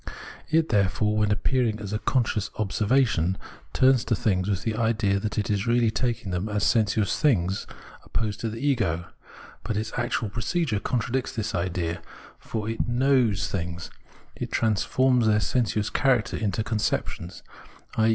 It, therefore, when appearing as conscious observation, turns to things with the idea that it is really taking them as sensuous things opposed to the ego. But its actual procedure contradicts this idea, for it knows things, it transforms their sensuous character into conceptions, i.